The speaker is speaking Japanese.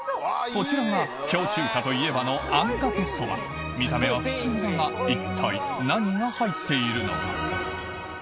こちらが京中華といえばのあんかけそば見た目は普通だが一体何が入っているのか？